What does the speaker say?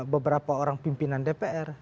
beberapa orang pimpinan dpr